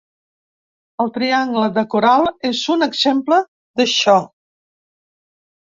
El triangle de coral és un exemple d’això.